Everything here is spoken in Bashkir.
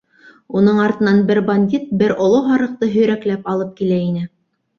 Уның артынан бер бандит бер оло һарыҡты һөйрәкләп алып килә ине.